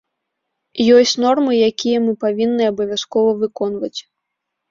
Ёсць нормы, якія мы павінны абавязкова выконваць.